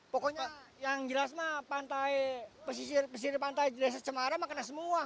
pengaruh sama ikan